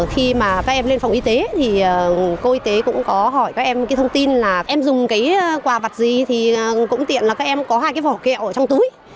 khi mà các em lên phòng y tế thì cô y tế cũng có hỏi các em cái thông tin là em dùng cái quà vặt gì thì cũng tiện là các em có hai cái vỏ kẹo ở trong túi